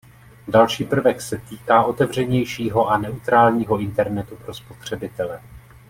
Další prvek se týká otevřenějšího a neutrálního internetu pro spotřebitele.